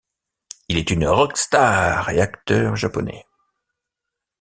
Il est une rock-star et acteur japonais.